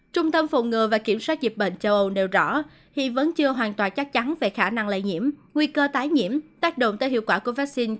trung tâm phòng ngừa và kiểm soát dịch bệnh châu âu nêu rõ hiện vẫn chưa hoàn toàn chắc chắn về khả năng lây nhiễm nguy cơ tái nhiễm tác động tới hiệu quả của vaccine